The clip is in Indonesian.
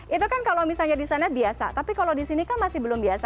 itu kan kalau misalnya di sana biasa tapi kalau di sini kan masih belum biasa